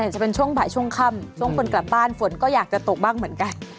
จะเป็นช่วงบ่ายช่วงค่ำช่วงคนกลับบ้านฝนก็อยากจะตกบ้างเหมือนกัน